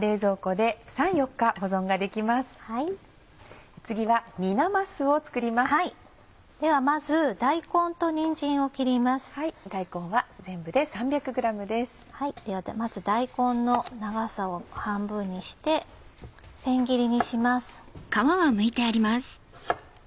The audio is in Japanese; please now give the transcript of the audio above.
ではまず大根の長さを半分にして千切りにします。